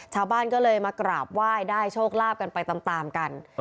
ชาวบ้านก็เลยมากราบไหว้ได้โชคลาภกันไปตามกัน